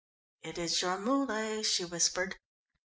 "It is your Muley," she whispered.